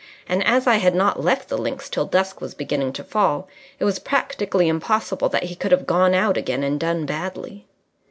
And, as I had not left the links till dusk was beginning to fall, it was practically impossible that he could have gone out again and done badly.